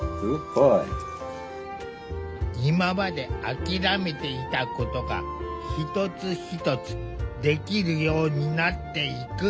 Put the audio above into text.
今まで諦めていたことが一つ一つできるようになっていく。